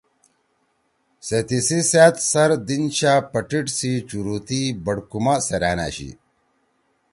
سے تیسی سأت سر دیِنشا پٹیٹ سی چُورُتی بڑکُما سیرأن أشی